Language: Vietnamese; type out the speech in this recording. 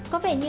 có vẻ như